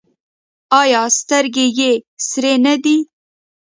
ایا سترګې یې سرې نه دي؟